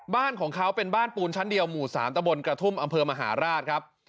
บ้านของเขาเป็นบ้านปูนชั้นเดียวหมู่๓ตะบนกระทุ่มอำเภอมหาราชครับ